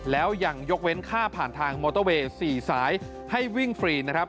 แล้วยังยกเว้นค่าผ่านทางมอเตอร์เวย์๔สายให้วิ่งฟรีนะครับ